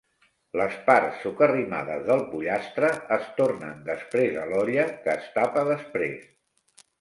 Les parts socarrimades del pollastre es tornen després a l'olla que es tapa després.